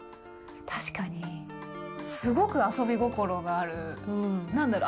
確かにすごく遊び心がある何だろう？